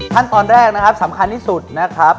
ขั้นตอนแรกนะครับสำคัญที่สุดนะครับ